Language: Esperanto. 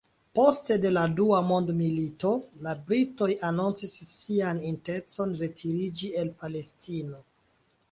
Poste de la Dua Mondmilito, la britoj anoncis sian intencon retiriĝi el Palestino.